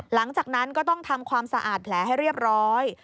หลังจากนั้นก็ต้องทำความสะอาดแผลให้เรียบร้อย